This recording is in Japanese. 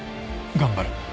頑張る。